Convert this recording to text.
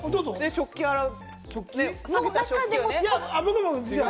食器洗う。